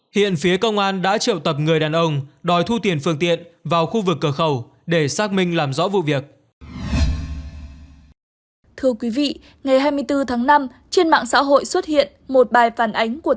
hiện phía công an đã triệu tập người đàn ông đòi thu tiền phương tiện vào khu vực cửa khẩu để xác minh làm rõ vụ việc